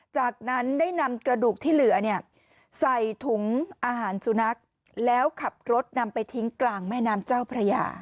จากนั้นได้นำกระดูกที่เหลือเนี่ยใส่ถุงอาหารสุนัขแล้วขับรถนำไปทิ้งกลางแม่น้ำเจ้าพระยา